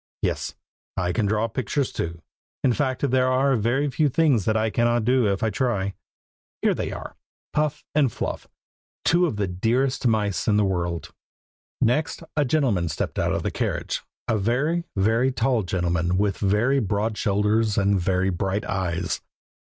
Yes, I can draw pictures too; in fact, there are very few things that I cannot do if I try. Here they are, Puff and Fluff, two of the dearest mice in the world. Next a gentleman stepped out of the carriage; a very, very tall gentleman, with very broad shoulders, and very bright eyes.